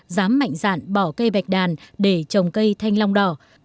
dám mạnh dạn bỏ cây bạch đàn để trồng cây thanh long đỏ